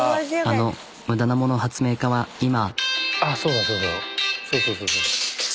あの無駄なもの発明家は今。